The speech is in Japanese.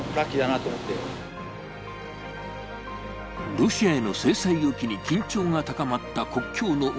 ロシアへの制裁を機に、緊張が高まった国境の海。